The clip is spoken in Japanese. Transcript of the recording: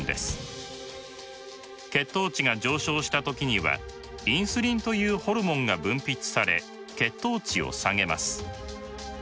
血糖値が上昇した時にはインスリンというホルモンが分泌され血糖値を下げます。